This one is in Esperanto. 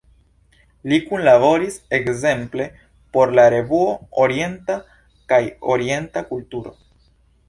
Li kunlaboris ekzemple por "La Revuo Orienta" kaj "Orienta Kulturo".